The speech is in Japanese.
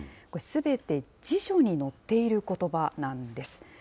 これすべて辞書に載っていることばなんです。